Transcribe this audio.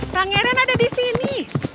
pangeran ada di sini